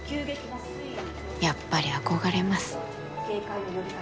やっぱり憧れます。